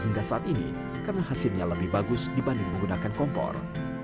hingga saat ini karena hasilnya lebih bagus dibanding menggunakan kompor